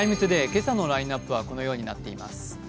今朝のラインナップはこのようになってます。